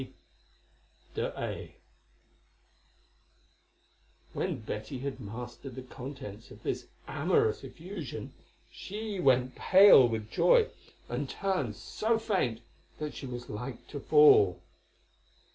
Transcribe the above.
"C. d'A." When Betty had mastered the contents of this amorous effusion she went pale with joy, and turned so faint that she was like to fall.